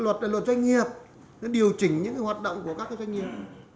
luật doanh nghiệp điều chỉnh những hoạt động của các doanh nghiệp